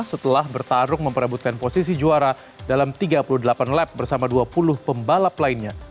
setelah bertarung memperebutkan posisi juara dalam tiga puluh delapan lap bersama dua puluh pembalap lainnya